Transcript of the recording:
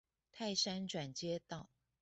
泰山轉接道